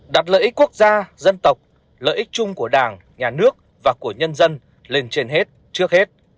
đặt lợi ích quốc gia dân tộc lợi ích chung của đảng nhà nước và của nhân dân lên trên hết trước hết